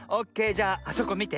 じゃああそこみて。